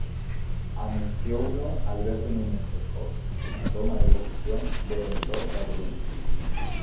Anunciouno Alberto Núñez Feijóo na toma de posesión do reitor da Coruña.